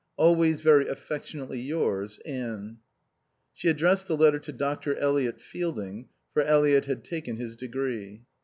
Always very affectionately yours, Anne. She addressed the letter to Dr. Eliot Fielding, for Eliot had taken his degree.